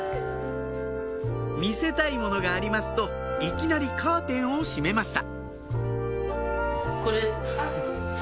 「見せたいものがあります」といきなりカーテンを閉めました